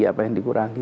apa yang dikurangi